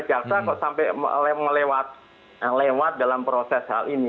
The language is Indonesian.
jaksa kok sampai lewat dalam proses hal ini